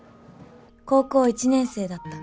高校１年生だった